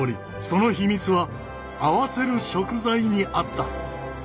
その秘密は合わせる食材にあった。